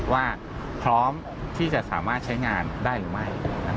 ว่าพร้อมที่จะสามารถใช้งานได้หรือไม่